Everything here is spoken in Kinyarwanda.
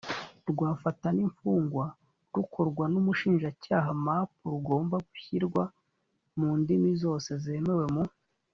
rw fata n ifungwa rukorwa n umushinjacyaha map rugomba gushyirwa mu ndimi zose zemewe mu